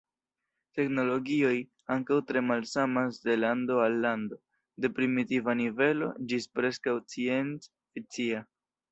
Teknologioj ankaŭ tre malsamas de lando al lando, de primitiva nivelo ĝis preskaŭ scienc-fikcia.